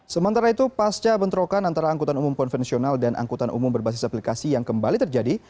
sementara itu pasca bentrokan antara angkutan umum konvensional dan angkutan umum berbasis aplikasi yang kembali terjadi